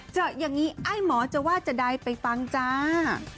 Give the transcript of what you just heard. เจออย่างนี้ไอ้หมอจะว่าจะใดไปฟังจ้า